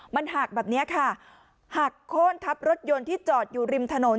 มันหักแบบนี้ค่ะหักโค้นทับรถยนต์ที่จอดอยู่ริมถนน